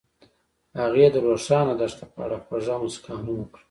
هغې د روښانه دښته په اړه خوږه موسکا هم وکړه.